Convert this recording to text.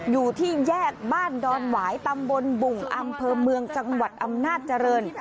อยู่ที่แยกบ้านดอนหวายตำบลบุ่งอำเภอเมืองจังหวัดอำนาจเจริญ